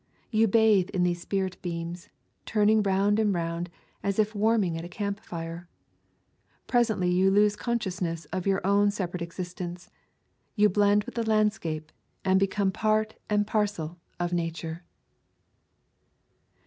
You bathe in these spirit beams, turning round and round, as if warming at acamp fire. Pres ently you lose consciousness of your own sepa rate existence: you blend with the landscape, and become part and parcel of nature.